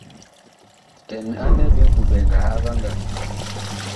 Kɛn anɛ biŋ biɓɛŋga a vaŋgaa.